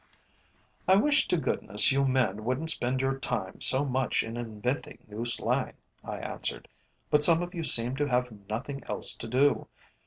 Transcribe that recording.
"I wish to goodness you men wouldn't spend your time so much in inventing new slang," I answered. "But some of you seem to have nothing else to do.